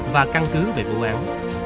và căn cứ về vụ án